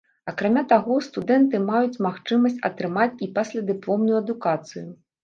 Акрамя таго, студэнты маюць магчымасць атрымаць і паслядыпломную адукацыю.